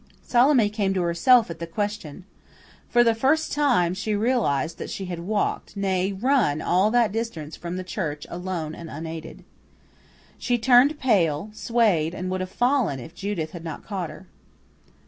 Salome came to herself at the question. For the first time, she realized that she had walked, nay, run, all that distance from the church alone and unaided. She turned pale, swayed, and would have fallen if Judith had not caught her.